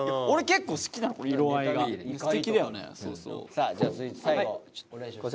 さあじゃあ続いて最後お願いします。